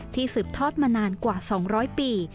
สืบทอดมานานกว่า๒๐๐ปี